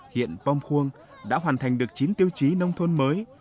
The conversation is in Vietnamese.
hiện bong khuôn đã hoàn thành được chín tiêu chí nông thôn mới